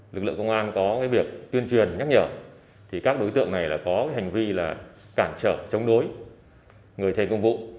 lực lượng công an có việc tuyên truyền nhắc nhở các đối tượng này có hành vi là cản trở chống đối người thay công vụ